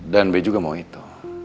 dan be juga mau itu